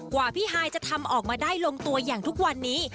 กว่าพี่ฮายจะทำออกมาได้ลงตัวอย่างทุกวันนี้